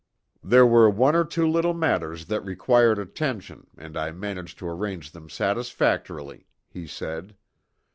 "There were one or two little matters that required attention, and I managed to arrange them satisfactorily," he said.